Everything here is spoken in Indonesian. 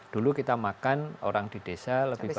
dulu kita makan orang di desa lebih banyak